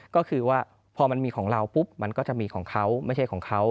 ก็คือว่าพอมันมีของเราปุ๊บมันก็จะมีของเขาไม่ใช่ของเขา